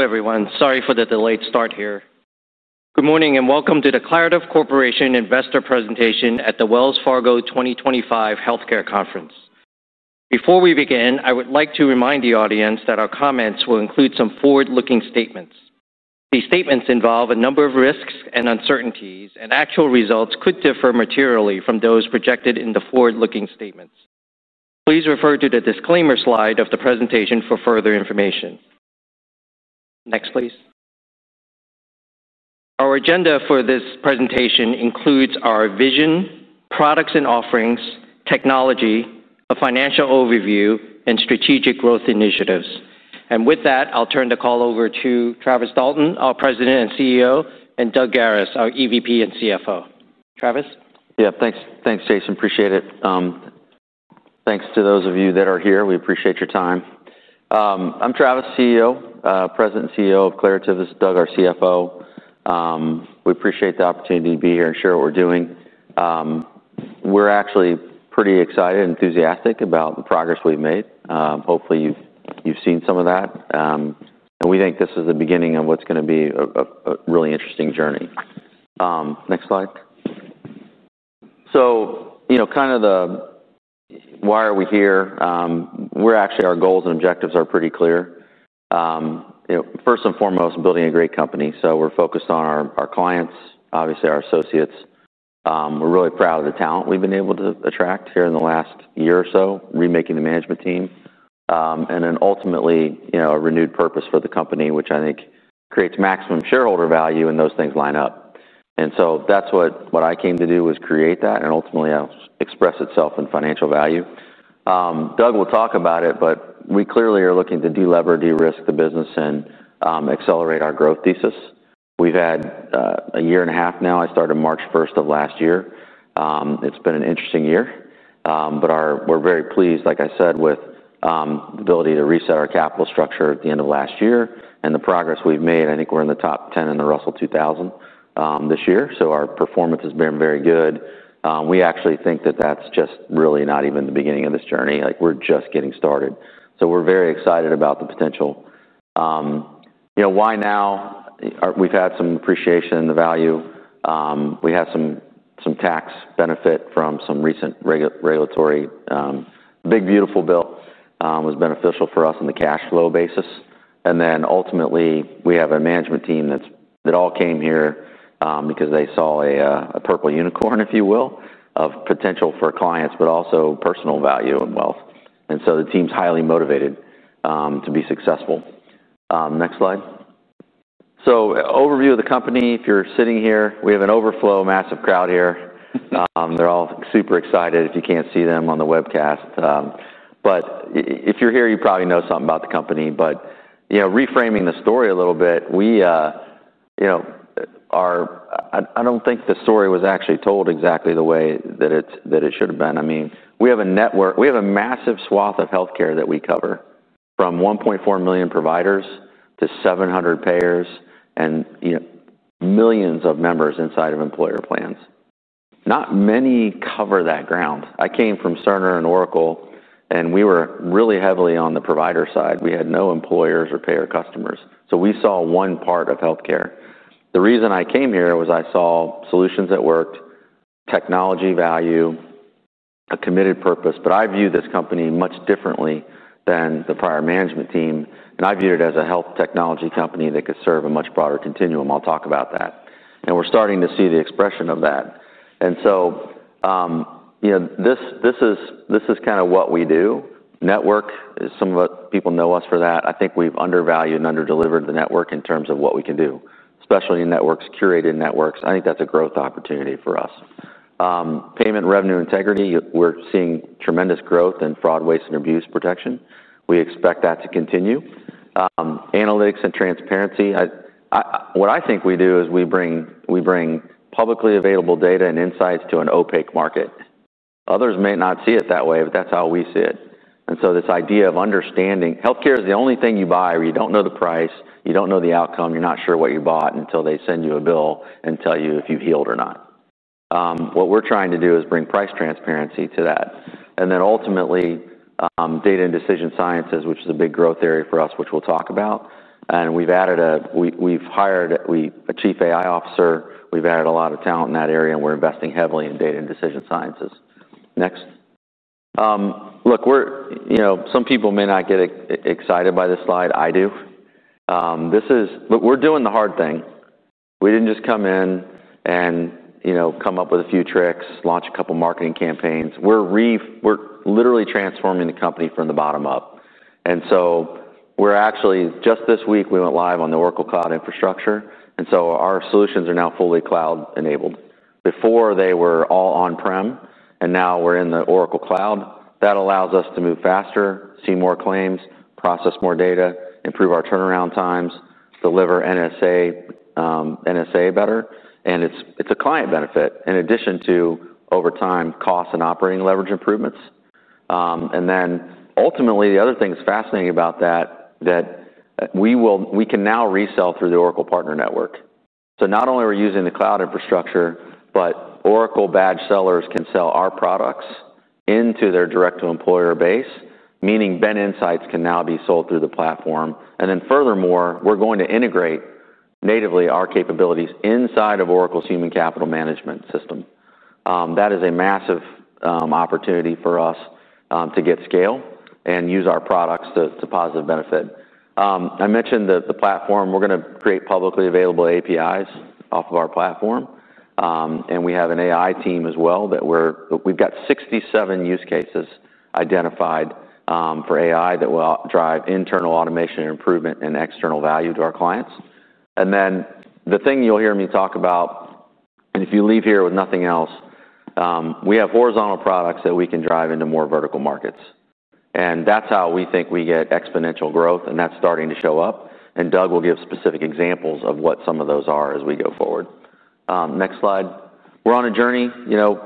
Hello everyone, sorry for the delayed start here. Good morning and welcome to the Claritev Corporation Investor Presentation at the Wells Fargo 2025 Healthcare Conference. Before we begin, I would like to remind the audience that our comments will include some forward-looking statements. These statements involve a number of risks and uncertainties, and actual results could differ materially from those projected in the forward-looking statements. Please refer to the disclaimer slide of the presentation for further information. Next, please. Our agenda for this presentation includes our vision, products and offerings, technology, a financial overview, and strategic growth initiatives. With that, I'll turn the call over to Travis Dalton, our President and CEO, and Doug Garis, our EVP and CFO. Travis? Yeah, thanks, thanks Jason, appreciate it. Thanks to those of you that are here, we appreciate your time. I'm Travis, President and CEO of Claritev. This is Doug, our CFO. We appreciate the opportunity to be here and share what we're doing. We're actually pretty excited and enthusiastic about the progress we've made. Hopefully, you've seen some of that. We think this is the beginning of what's going to be a really interesting journey. Next slide. You know, kind of the why are we here? Our goals and objectives are pretty clear. First and foremost, building a great company. We're focused on our clients, obviously our associates. We're really proud of the talent we've been able to attract here in the last year or so, remaking the management team. Ultimately, a renewed purpose for the company, which I think creates maximum shareholder value when those things line up. That's what I came to do, was create that and ultimately express itself in financial value. Doug will talk about it, but we clearly are looking to deleverage, de-risk the business, and accelerate our growth thesis. We've had a year and a half now. I started March 1st the last year. It's been an interesting year. We're very pleased, like I said, with the ability to reset our capital structure at the end of last year and the progress we've made. I think we're in the top 10 in the Russell 2000 this year. Our performance has been very good. We actually think that that's just really not even the beginning of this journey. We're just getting started. We're very excited about the potential. Why now? We've had some appreciation in the value. We have some tax benefit from some recent regulatory. The big beautiful bill was beneficial for us on the cash flow basis. Ultimately, we have a management team that all came here because they saw a purple unicorn, if you will, of potential for clients, but also personal value and wealth. The team's highly motivated to be successful. Next slide. Overview of the company, if you're sitting here, we have an overflow massive crowd here. They're all super excited if you can't see them on the webcast. If you're here, you probably know something about the company. Reframing the story a little bit, we are, I don't think the story was actually told exactly the way that it should have been. I mean, we have a network, we have a massive swath of healthcare that we cover from 1.4 million providers to 700 payers and, you know, millions of members inside of employer plans. Not many cover that ground. I came from Cerner and Oracle, and we were really heavily on the provider side. We had no employers or payer customers. We saw one part of healthcare. The reason I came here was I saw solutions that worked, technology value, a committed purpose. I view this company much differently than the prior management team. I viewed it as a health technology company that could serve a much broader continuum. I'll talk about that. We're starting to see the expression of that. This is kind of what we do. Network is some of what people know us for. I think we've undervalued and under-delivered the network in terms of what we can do, especially in networks, curated networks. I think that's a growth opportunity for us. Payment revenue integrity, we're seeing tremendous growth in fraud, waste, and abuse protection. We expect that to continue. Analytics and transparency, what I think we do is we bring publicly available data and insights to an opaque market. Others may not see it that way, but that's how we see it. This idea of understanding, healthcare is the only thing you buy, or you don't know the price, you don't know the outcome, you're not sure what you bought until they send you a bill and tell you if you healed or not. What we're trying to do is bring price transparency to that. Ultimately, data and decision sciences, which is a big growth area for us, which we'll talk about. We've added a, we've hired a Chief AI Officer. We've added a lot of talent in that area, and we're investing heavily in data and decision sciences. Next. Some people may not get excited by this slide. I do. This is, but we're doing the hard thing. We didn't just come in and, you know, come up with a few tricks, launch a couple of marketing campaigns. We're literally transforming the company from the bottom up. We're actually, just this week, we went live on the Oracle Cloud Infrastructure. Our solutions are now fully cloud-enabled. Before they were all on-prem, and now we're in the Oracle Cloud. That allows us to move faster, see more claims, process more data, improve our turnaround times, deliver NSA better, and it's a client benefit in addition to over time cost and operating leverage improvements. Ultimately, the other thing that's fascinating about that, we can now resell through the Oracle Partner Network. Not only are we using the cloud infrastructure, but Oracle badge sellers can sell our products into their direct-to-employer base, meaning BenInsights can now be sold through the platform. Furthermore, we're going to integrate natively our capabilities inside of Oracle Human Capital Management system. That is a massive opportunity for us to get scale and use our products to positive benefit. I mentioned the platform, we're going to create publicly available APIs off of our platform. We have an AI team as well that we've got 67 use cases identified for AI that will drive internal automation and improvement and external value to our clients. The thing you'll hear me talk about, and if you leave here with nothing else, we have horizontal products that we can drive into more vertical markets. That's how we think we get exponential growth, and that's starting to show up. Doug will give specific examples of what some of those are as we go forward. Next slide. We're on a journey.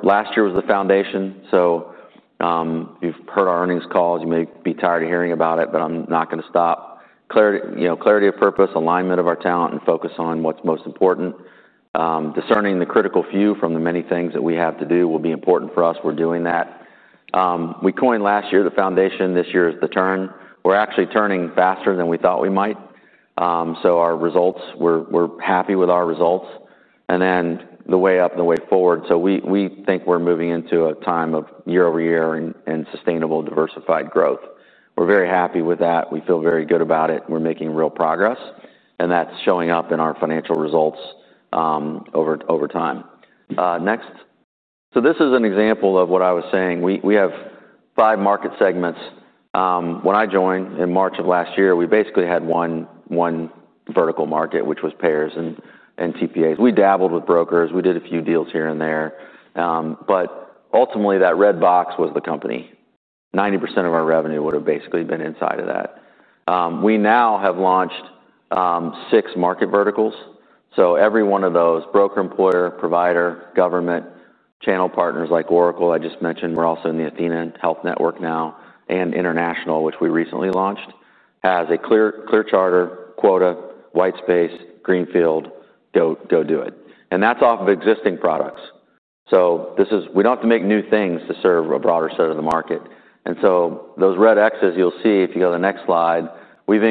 Last year was the foundation. You've heard our earnings calls, you may be tired of hearing about it, but I'm not going to stop. Clarity, you know, clarity of purpose, alignment of our talent, and focus on what's most important. Discerning the critical few from the many things that we have to do will be important for us. We're doing that. We coined last year the foundation, this year is the turn. We're actually turning faster than we thought we might. Our results, we're happy with our results. The way up and the way forward. We think we're moving into a time of year over year and sustainable diversified growth. We're very happy with that. We feel very good about it. We're making real progress. That's showing up in our financial results over time. Next. This is an example of what I was saying. We have five market segments. When I joined in March of last year, we basically had one vertical market, which was payers and TPAs. We dabbled with brokers. We did a few deals here and there. Ultimately, that red box was the company. 90% of our revenue would have basically been inside of that. We now have launched six market verticals. Every one of those, broker-employer, provider, government, channel partners like Oracle I just mentioned, we're also in the athenahealth network now, and International, which we recently launched, has a clear charter, quota, white space, green field, go do it. That's off of existing products. We don't have to make new things to serve a broader set of the market. Those red Xs you'll see if you go to the next slide, we've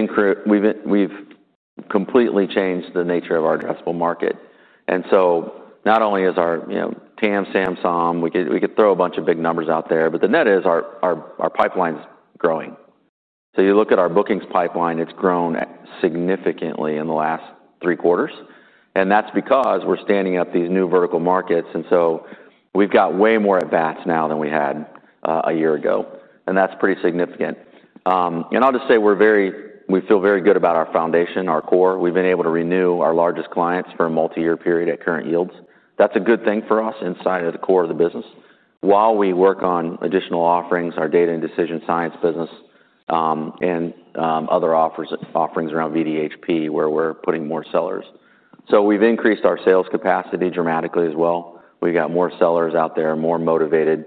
completely changed the nature of our addressable market. Not only is our, you know, TAM, SAM, SOM, we could throw a bunch of big numbers out there, but the net is our pipeline is growing. You look at our bookings pipeline, it's grown significantly in the last three quarters. That's because we're standing up these new vertical markets. We've got way more at bats now than we had a year ago. That's pretty significant. I'll just say we feel very good about our foundation, our core. We've been able to renew our largest clients for a multi-year period at current yields. That's a good thing for us inside of the core of the business. While we work on additional offerings, our data and decision science business, and other offerings around VDHP where we're putting more sellers. We've increased our sales capacity dramatically as well. We got more sellers out there, more motivated.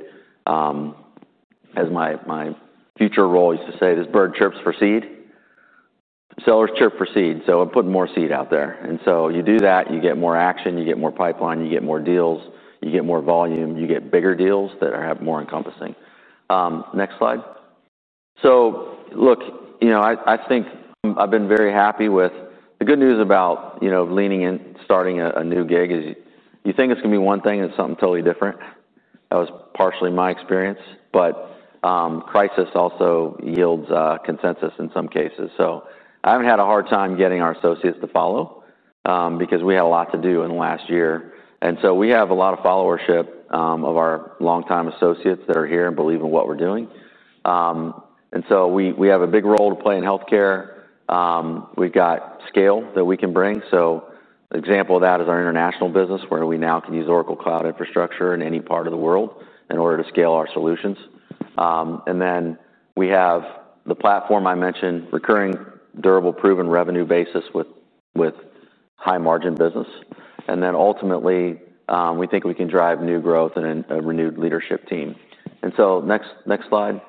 As my future role used to say, this bird chirps for seed. Sellers chirp for seed. We're putting more seed out there. You do that, you get more action, you get more pipeline, you get more deals, you get more volume, you get bigger deals that are more encompassing. Next slide. Look, I think I've been very happy with the good news about, you know, leaning in, starting a new gig. You think it's going to be one thing and it's something totally different. That was partially my experience. Crisis also yields consensus in some cases. I haven't had a hard time getting our associates to follow because we had a lot to do in the last year. We have a lot of followership of our longtime associates that are here and believe in what we're doing. We have a big role to play in healthcare. We've got scale that we can bring. An example of that is our international business where we now can use Oracle Cloud Infrastructure in any part of the world in order to scale our solutions. We have the platform I mentioned, recurring, durable, proven revenue basis with high margin business. Ultimately, we think we can drive new growth and a renewed leadership team. Next slide.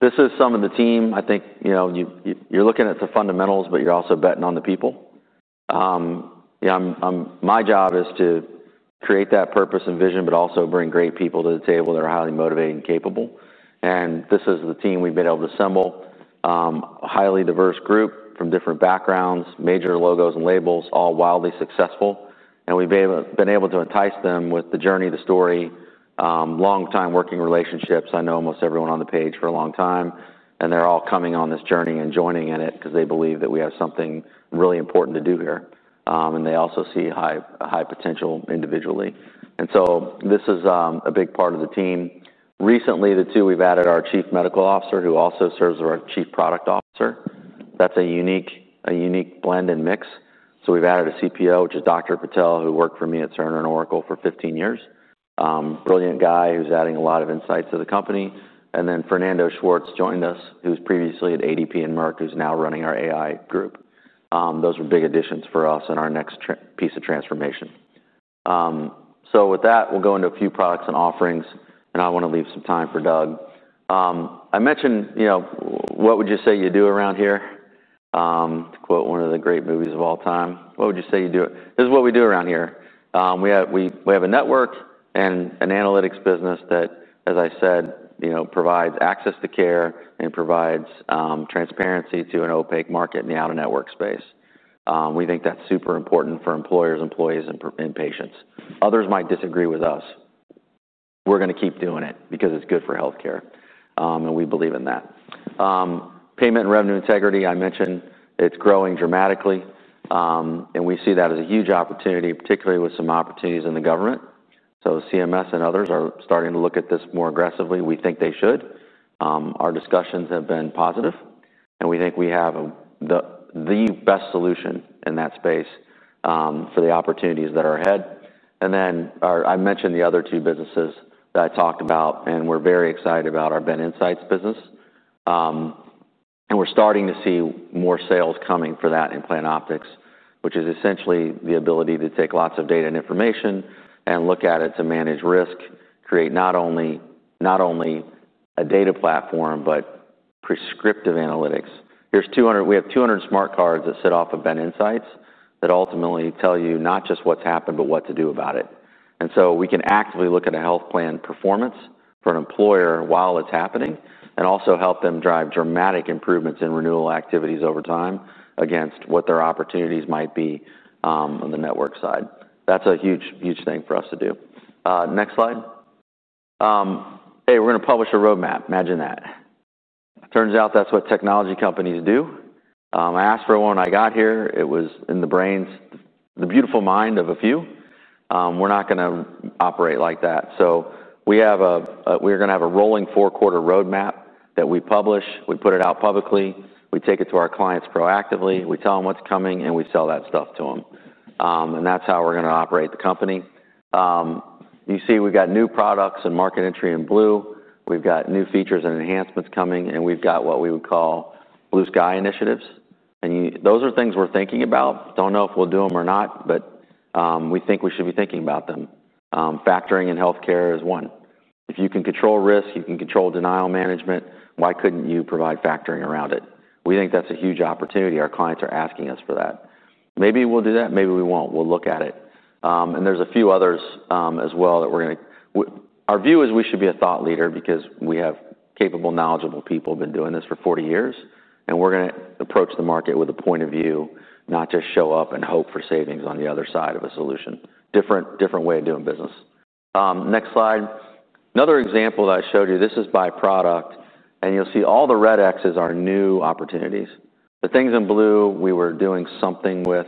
This is some of the team. I think, you know, you're looking at the fundamentals, but you're also betting on the people. My job is to create that purpose and vision, but also bring great people to the table that are highly motivated and capable. This is the team we've been able to assemble, a highly diverse group from different backgrounds, major logos and labels, all wildly successful. We've been able to entice them with the journey, the story, long-time working relationships. I know almost everyone on the page for a long time. They're all coming on this journey and joining in it because they believe that we have something really important to do here. They also see a high potential individually. This is a big part of the team. Recently, too, we've added our Chief Medical Officer who also serves as our Chief Product Officer. That's a unique blend and mix. We've added a CPO, which is Dr. Patel, who worked for me at Cerner and Oracle for 15 years. Brilliant guy who's adding a lot of insights to the company. Fernando Schwartz joined us, who's previously at ADP and Merck, who's now running our AI group. Those were big additions for us in our next piece of transformation. With that, we'll go into a few products and offerings. I want to leave some time for Doug. I mentioned, you know, what would you say you do around here? To quote one of the great movies of all time, what would you say you do? This is what we do around here. We have a network and an analytics business that, as I said, provides access to care and provides transparency to an opaque market in the out-of-network space. We think that's super important for employers, employees, and patients. Others might disagree with us. We're going to keep doing it because it's good for healthcare. We believe in that. Payment and revenue integrity, I mentioned, it's growing dramatically. We see that as a huge opportunity, particularly with some opportunities in the government. CMS and others are starting to look at this more aggressively. We think they should. Our discussions have been positive. We think we have the best solution in that space for the opportunities that are ahead. I mentioned the other two businesses that I talked about. We are very excited about our BenInsights business. We are starting to see more sales coming for that in PlanOptix, which is essentially the ability to take lots of data and information and look at it to manage risk, create not only a data platform, but prescriptive analytics. We have 200 smart cards that sit off of BenInsights that ultimately tell you not just what's happened, but what to do about it. We can actively look at a health plan performance for an employer while it's happening and also help them drive dramatic improvements in renewal activities over time against what their opportunities might be on the network side. That is a huge, huge thing for us to do. Next slide. We are going to publish a roadmap. Imagine that. Turns out that's what technology companies do. I asked for one when I got here. It was in the brains, the beautiful mind of a few. We are not going to operate like that. We are going to have a rolling four-quarter roadmap that we publish. We put it out publicly. We take it to our clients proactively. We tell them what's coming and we sell that stuff to them. That is how we are going to operate the company. You see, we've got new products and market entry in blue. We've got new features and enhancements coming and we've got what we would call blue sky initiatives. Those are things we're thinking about. I don't know if we'll do them or not, but we think we should be thinking about them. Factoring in healthcare is one. If you can control risk, you can control denial management. Why couldn't you provide factoring around it? We think that's a huge opportunity. Our clients are asking us for that. Maybe we'll do that. Maybe we won't. We'll look at it. There are a few others as well that we are going to, our view is we should be a thought leader because we have capable, knowledgeable people who have been doing this for 40 years. We are going to approach the market with a point of view, not just show up and hope for savings on the other side of a solution. Different way of doing business. Next slide. Another example that I showed you, this is by product. You will see all the red exes are new opportunities. The things in blue, we were doing something with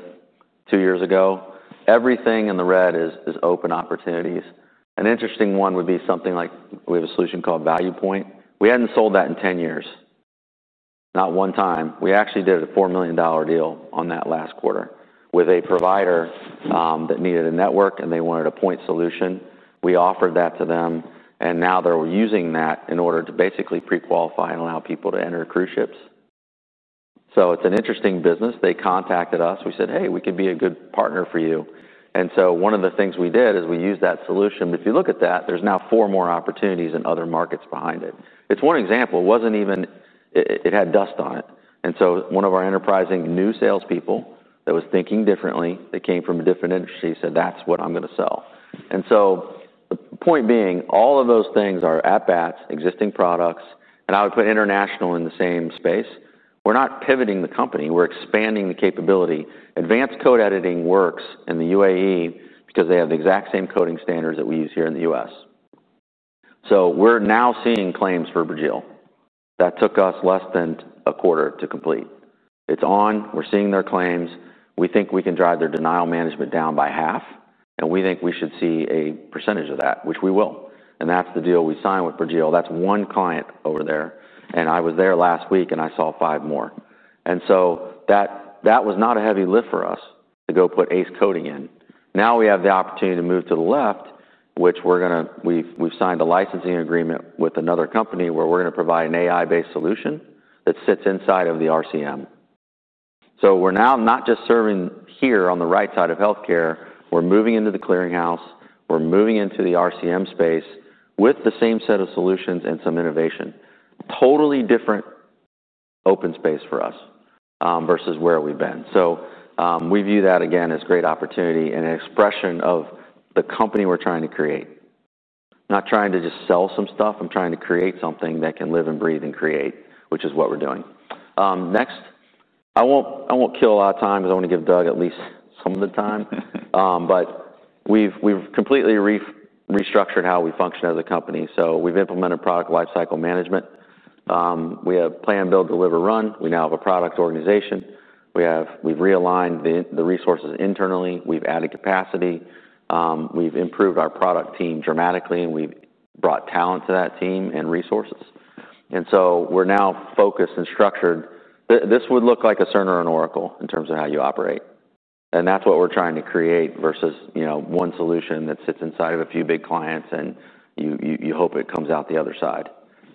two years ago. Everything in the red is open opportunities. An interesting one would be something like we have a solution called ValuePoint. We hadn't sold that in 10 years. Not one time. We actually did a $4 million deal on that last quarter with a provider that needed a network and they wanted a point solution. We offered that to them. Now they're using that in order to basically pre-qualify and allow people to enter cruise ships. It's an interesting business. They contacted us. We said, "Hey, we could be a good partner for you." One of the things we did is we used that solution. If you look at that, there's now four more opportunities in other markets behind it. It's one example. It wasn't even, it had dust on it. One of our enterprising new salespeople that was thinking differently, that came from a different industry, said, "That's what I'm going to sell." The point being, all of those things are at bats, existing products. I would put international in the same space. We're not pivoting the company. We're expanding the capability. Advanced code editing works in the UAE because they have the exact same coding standards that we use here in the U.S. We're now seeing claims for Burjeel. That took us less than a quarter to complete. It's on. We're seeing their claims. We think we can drive their denial management down by half. We think we should see a percentage of that, which we will. That's the deal we signed with Burjeel. That's one client over there. I was there last week and I saw five more. That was not a heavy lift for us to go put ACE coding in. Now we have the opportunity to move to the left, which we're going to, we've signed a licensing agreement with another company where we're going to provide an AI-based solution that sits inside of the RCM. We're now not just serving here on the right side of healthcare. We're moving into the clearinghouse. We're moving into the RCM space with the same set of solutions and some innovation. Totally different open space for us versus where we've been. We view that again as a great opportunity and an expression of the company we're trying to create. Not trying to just sell some stuff. I'm trying to create something that can live and breathe and create, which is what we're doing. Next, I won't kill a lot of time because I want to give Doug at least some of the time. We've completely restructured how we function as a company. We've implemented product lifecycle management. We have plan, build, deliver, run. We now have a product organization. We've realigned the resources internally. We've added capacity. We've improved our product team dramatically. We've brought talent to that team and resources. We're now focused and structured. This would look like a Cerner and Oracle in terms of how you operate. That's what we're trying to create versus, you know, one solution that sits inside of a few big clients and you hope it comes out the other side.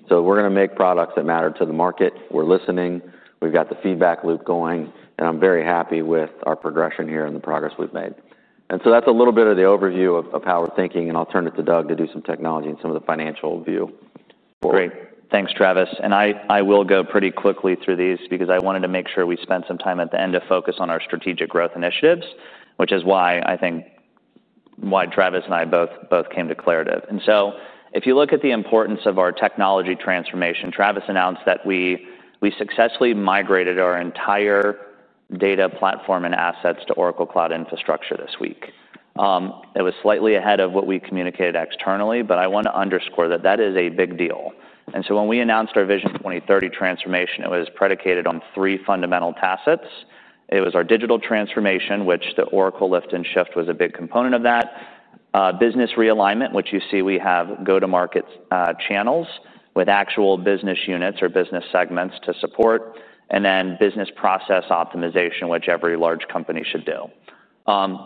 We're going to make products that matter to the market. We're listening. We've got the feedback loop going. I'm very happy with our progression here and the progress we've made. That's a little bit of the overview of how we're thinking. I'll turn it to Doug to do some technology and some of the financial view for it. Great. Thanks, Travis. I will go pretty quickly through these because I wanted to make sure we spent some time at the end to focus on our strategic growth initiatives, which is why I think why Travis and I both came to Claritev. If you look at the importance of our technology transformation, Travis announced that we successfully migrated our entire data platform and assets to Oracle Cloud Infrastructure this week. It was slightly ahead of what we communicated externally, but I want to underscore that that is a big deal. When we announced our Vision 2030 transformation, it was predicated on three fundamental tacits. It was our digital transformation, which the Oracle lift and shift was a big component of that. Business realignment, which you see we have go-to-market channels with actual business units or business segments to support. Then business process optimization, which every large company should do.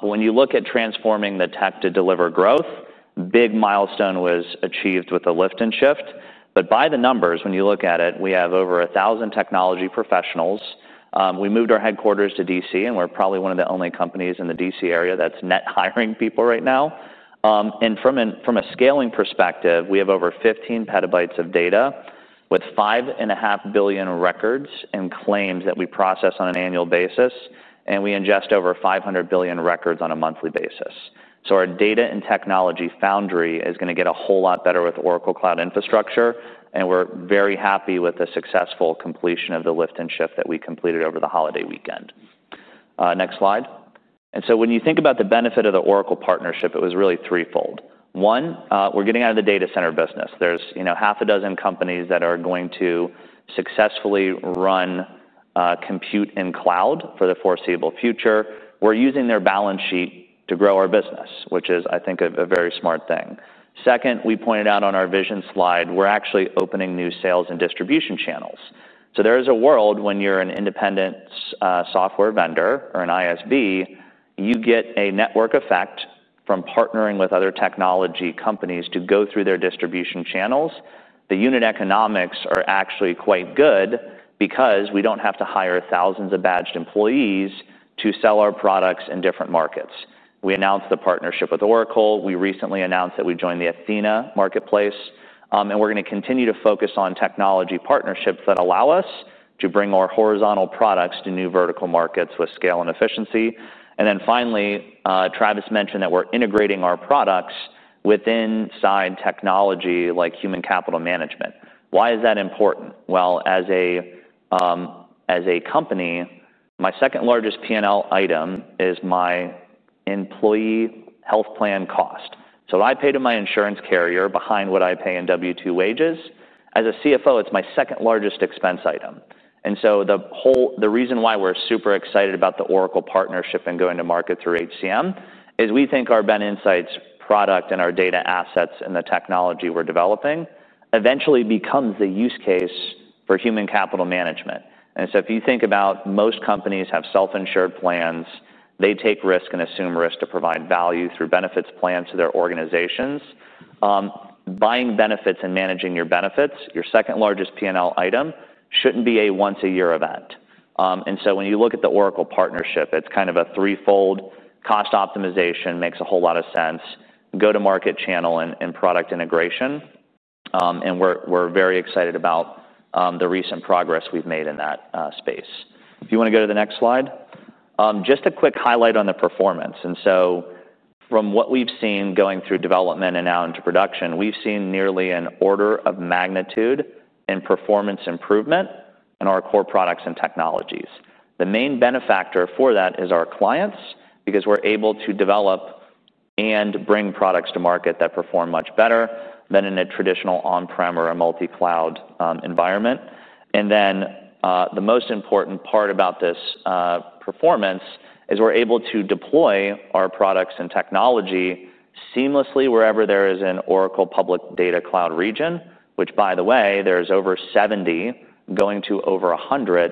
When you look at transforming the tech to deliver growth, a big milestone was achieved with a lift and shift. By the numbers, when you look at it, we have over 1,000 technology professionals. We moved our headquarters to DC, and we're probably one of the only companies in the DC area that's net hiring people right now. From a scaling perspective, we have over 15 PB of data with 5.5 billion records and claims that we process on an annual basis. We ingest over 500 billion records on a monthly basis. Our data and technology foundry is going to get a whole lot better with Oracle Cloud Infrastructure. We're very happy with the successful completion of the lift and shift that we completed over the holiday weekend. Next slide. When you think about the benefit of the Oracle partnership, it was really threefold. One, we're getting out of the data center business. There's, you know, half a dozen companies that are going to successfully run compute in cloud for the foreseeable future. We're using their balance sheet to grow our business, which is, I think, a very smart thing. Second, we pointed out on our vision slide, we're actually opening new sales and distribution channels. There is a world when you're an independent software vendor or an ISV, you get a network effect from partnering with other technology companies to go through their distribution channels. The unit economics are actually quite good because we don't have to hire thousands of badged employees to sell our products in different markets. We announced the partnership with Oracle. We recently announced that we joined the athena Marketplace. We're going to continue to focus on technology partnerships that allow us to bring our horizontal products to new vertical markets with scale and efficiency. Finally, Travis mentioned that we're integrating our products within side technology like Human Capital Management. Why is that important? As a company, my second largest P&L item is my employee health plan cost. What I pay to my insurance carrier behind what I pay in W2 wages, as a CFO, it's my second largest expense item. The reason why we're super excited about the Oracle partnership and going to market through HCM is we think our BenInsights product and our data assets and the technology we're developing eventually becomes the use case for human capital management. If you think about most companies have self-insured plans. They take risk and assume risk to provide value through benefits plans to their organizations. Buying benefits and managing your benefits, your second largest P&L item, shouldn't be a once-a-year event. When you look at the Oracle partnership, it's kind of a threefold cost optimization makes a whole lot of sense, go-to-market channel, and product integration. We're very excited about the recent progress we've made in that space. If you want to go to the next slide, just a quick highlight on the performance. From what we've seen going through development and out into production, we've seen nearly an order of magnitude in performance improvement in our core products and technologies. The main benefactor for that is our clients because we're able to develop and bring products to market that perform much better than in a traditional on-prem or a multi-cloud environment. The most important part about this performance is we're able to deploy our products and technology seamlessly wherever there is an Oracle public data cloud region, which, by the way, there's over 70 going to over 100.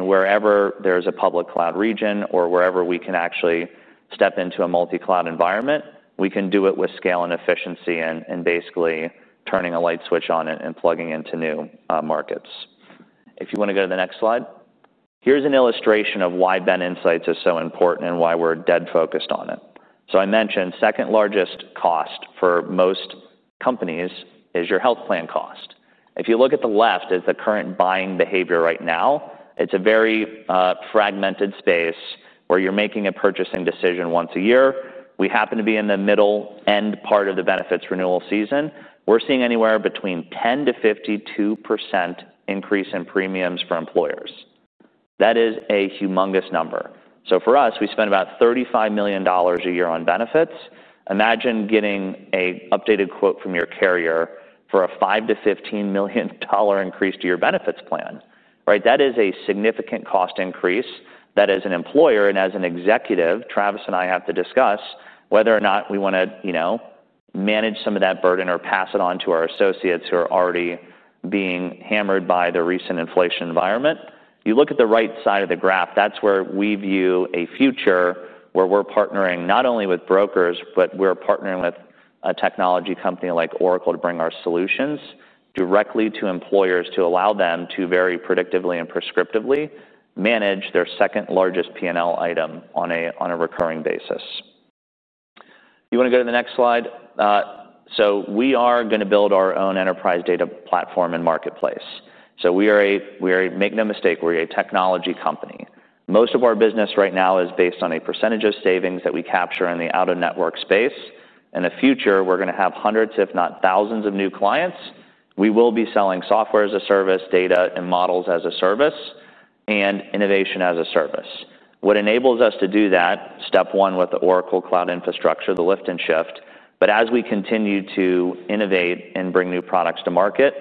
Wherever there's a public cloud region or wherever we can actually step into a multi-cloud environment, we can do it with scale and efficiency and basically turning a light switch on it and plugging into new markets. If you want to go to the next slide, here's an illustration of why BenInsights is so important and why we're dead focused on it. I mentioned second largest cost for most companies is your health plan cost. If you look at the left, it's the current buying behavior right now. It's a very fragmented space where you're making a purchasing decision once a year. We happen to be in the middle end part of the benefits renewal season. We're seeing anywhere between 10%-52% increase in premiums for employers. That is a humongous number. For us, we spend about $35 million a year on benefits. Imagine getting an updated quote from your carrier for a $5 million-$15 million increase to your benefits plan. That is a significant cost increase that as an employer and as an executive, Travis and I have to discuss whether or not we want to manage some of that burden or pass it on to our associates who are already being hammered by the recent inflation environment. You look at the right side of the graph. That's where we view a future where we're partnering not only with brokers, but we're partnering with a technology company like Oracle to bring our solutions directly to employers to allow them to very predictively and prescriptively manage their second largest P&L item on a recurring basis. You want to go to the next slide? We are going to build our own enterprise data platform and marketplace. We are a, make no mistake, we're a technology company. Most of our business right now is based on a percentage of savings that we capture in the out-of-network space. In the future, we're going to have hundreds, if not thousands, of new clients. We will be selling software as a service, data and models as a service, and innovation as a service. What enables us to do that, step one with the Oracle Cloud Infrastructure, the lift and shift. As we continue to innovate and bring new products to market,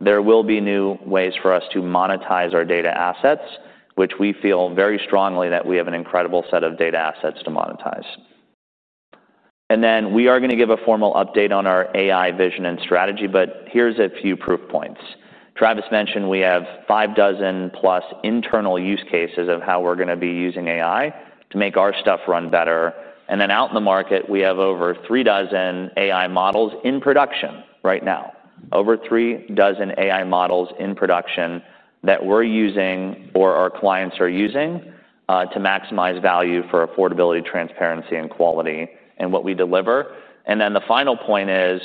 there will be new ways for us to monetize our data assets, which we feel very strongly that we have an incredible set of data assets to monetize. We are going to give a formal update on our AI vision and strategy, but here are a few proof points. Travis mentioned we have five dozen plus internal use cases of how we're going to be using AI to make our stuff run better. Out in the market, we have over three dozen AI models in production right now. Over three dozen AI models in production that we're using or our clients are using to maximize value for affordability, transparency, and quality in what we deliver. The final point is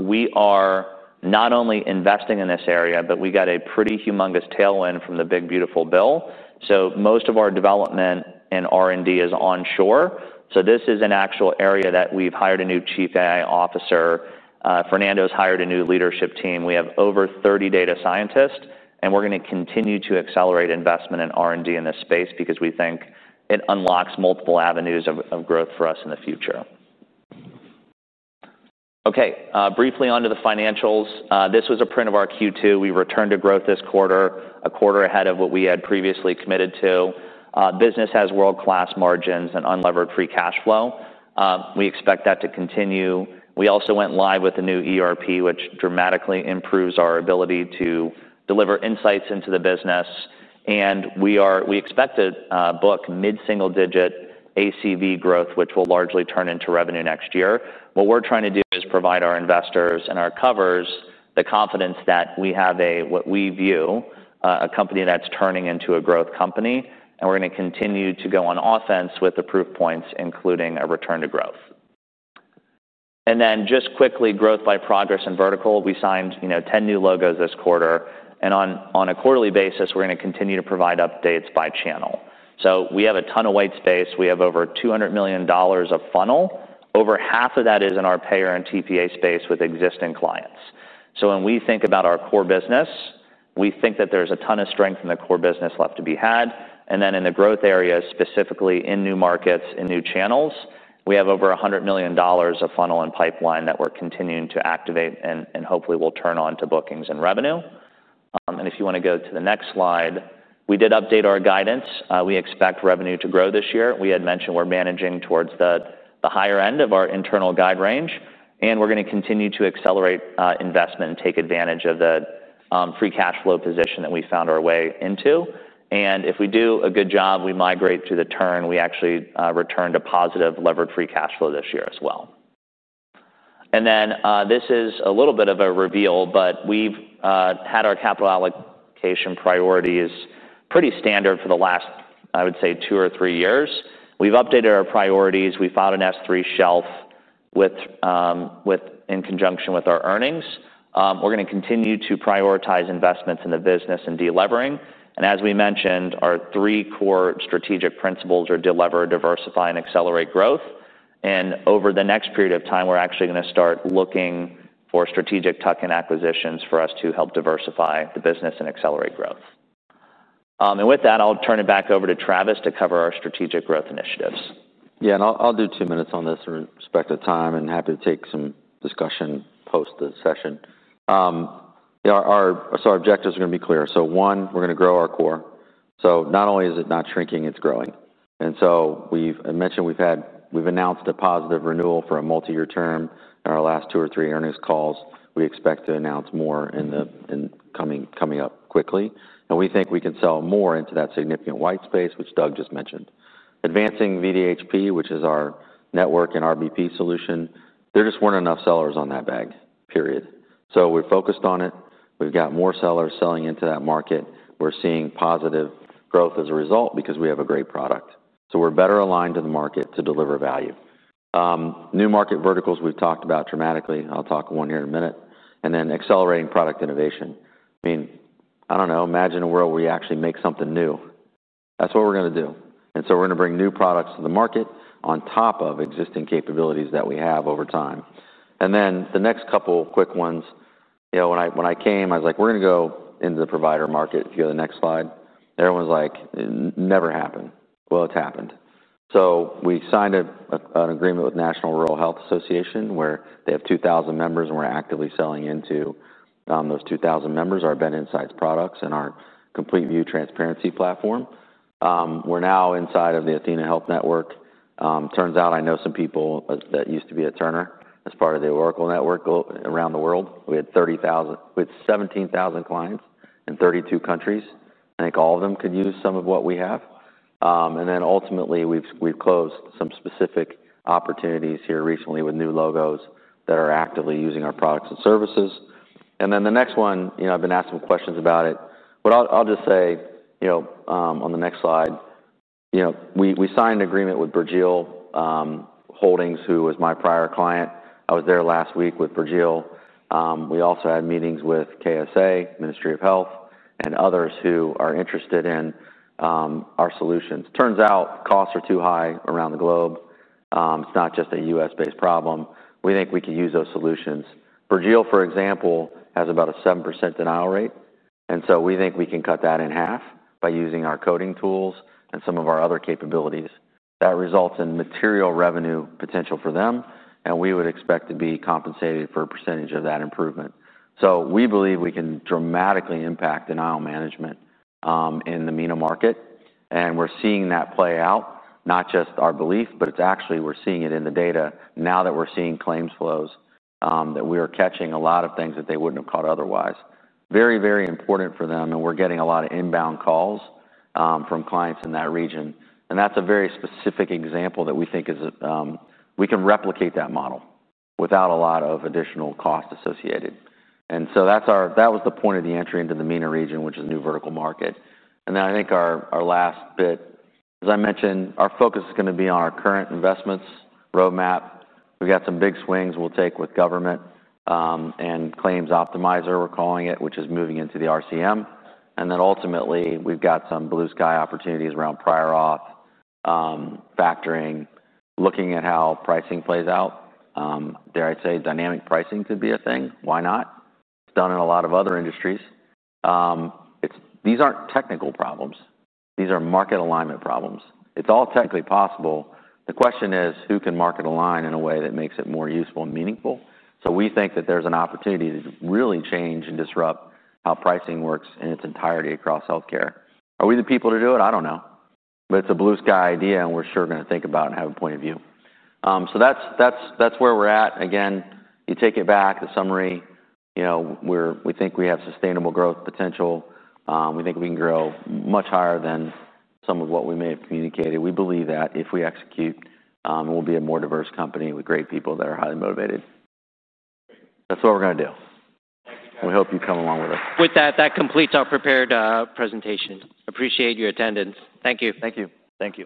we are not only investing in this area, but we got a pretty humongous tailwind from the big beautiful bill. Most of our development and R&D is onshore. This is an actual area that we've hired a new Chief AI Officer. Fernando's hired a new leadership team. We have over 30 data scientists. We're going to continue to accelerate investment in R&D in this space because we think it unlocks multiple avenues of growth for us in the future. Briefly onto the financials. This was a print of our Q2. We returned to growth this quarter, a quarter ahead of what we had previously committed to. Business has world-class margins and unlevered free cash flow. We expect that to continue. We also went live with a new ERP, which dramatically improves our ability to deliver insights into the business. We expect to book mid-single-digit ACV growth, which will largely turn into revenue next year. What we're trying to do is provide our investors and our covers the confidence that we have what we view as a company that's turning into a growth company. We're going to continue to go on offense with the proof points, including a return to growth. Quickly, growth by progress and vertical. We signed 10 new logos this quarter. On a quarterly basis, we're going to continue to provide updates by channel. We have a ton of white space. We have over $200 million of funnel. Over half of that is in our payer and TPA space with existing clients. When we think about our core business, we think that there's a ton of strength in the core business left to be had. In the growth area, specifically in new markets and new channels, we have over $100 million of funnel and pipeline that we're continuing to activate and hopefully will turn on to bookings and revenue. If you want to go to the next slide, we did update our guidance. We expect revenue to grow this year. We had mentioned we're managing towards the higher end of our internal guide range. We're going to continue to accelerate investment and take advantage of the free cash flow position that we found our way into. If we do a good job, we migrate to the turn. We actually returned a positive levered free cash flow this year as well. This is a little bit of a reveal, but we've had our capital allocation priorities pretty standard for the last, I would say, two or three years. We've updated our priorities. We filed an S-3 shelf in conjunction with our earnings. We're going to continue to prioritize investments in the business and delevering. As we mentioned, our three core strategic principles are delever, diversify, and accelerate growth. Over the next period of time, we're actually going to start looking for strategic tuck-in acquisitions for us to help diversify the business and accelerate growth. With that, I'll turn it back over to Travis to cover our strategic growth initiatives. Yeah, I'll do two minutes on this in respect to time and happy to take some discussion post the session. Our objectives are going to be clear. One, we're going to grow our core. Not only is it not shrinking, it's growing. We've mentioned we've had, we've announced a positive renewal for a multi-year term in our last two or three earnings calls. We expect to announce more in the coming up quickly. We think we can sell more into that significant white space, which Doug just mentioned. Advancing VDHP, which is our network and RBP solution, there just weren't enough sellers on that bag, period. We're focused on it. We've got more sellers selling into that market. We're seeing positive growth as a result because we have a great product. We're better aligned to the market to deliver value. New market verticals we've talked about dramatically. I'll talk one here in a minute. Accelerating product innovation. I mean, I don't know. Imagine a world where you actually make something new. That's what we're going to do. We are going to bring new products to the market on top of existing capabilities that we have over time. The next couple of quick ones. You know, when I came, I was like, we are going to go into the provider market. If you go to the next slide, everyone's like, never happened. It has happened. We signed an agreement with the National Rural Health Association where they have 2,000 members, and we are actively selling into those 2,000 members, our BenInsights products, and our CompleteVue transparency platform. We are now inside of the athenahealth network. Turns out I know some people that used to be at Cerner as part of the Oracle network around the world. We had 30,000, we had 17,000 clients in 32 countries. I think all of them could use some of what we have. Ultimately, we have closed some specific opportunities here recently with new logos that are actively using our products and services. The next one, I have been asked some questions about it. On the next slide, we signed an agreement with Burjeel Holdings, who was my prior client. I was there last week with Burjeel. We also had meetings with KSA, Ministry of Health, and others who are interested in our solutions. Turns out costs are too high around the globe. It is not just a U.S.-based problem. We think we could use those solutions. Burjeel, for example, has about a 7% denial rate. We think we can cut that in half by using our coding tools and some of our other capabilities. That results in material revenue potential for them, and we would expect to be compensated for a percentage of that improvement. We believe we can dramatically impact denial management in the MENA market. We are seeing that play out, not just our belief, but actually we are seeing it in the data now that we are seeing claims flows, that we are catching a lot of things that they would not have caught otherwise. Very, very important for them. We are getting a lot of inbound calls from clients in that region. That is a very specific example that we think is we can replicate that model without a lot of additional cost associated. That was the point of the entry into the MENA region, which is a new vertical market. I think our last bit, as I mentioned, our focus is going to be on our current investments roadmap. We've got some big swings we'll take with government and claims optimizer, we're calling it, which is moving into the RCM. Ultimately, we've got some blue sky opportunities around prior auth factoring, looking at how pricing plays out. There I'd say dynamic pricing could be a thing. Why not? It's done in a lot of other industries. These aren't technical problems. These are market alignment problems. It's all technically possible. The question is, who can market align in a way that makes it more useful and meaningful? We think that there's an opportunity to really change and disrupt how pricing works in its entirety across healthcare. Are we the people to do it? I don't know. It's a blue sky idea, and we're sure going to think about it and have a point of view. That's where we're at. Again, you take it back, the summary, you know, we think we have sustainable growth potential. We think we can grow much higher than some of what we may have communicated. We believe that if we execute, we'll be a more diverse company with great people that are highly motivated. That's what we're going to do. We hope you come along with us. With that, that completes our prepared presentation. Appreciate your attendance. Thank you. Thank you. Thank you.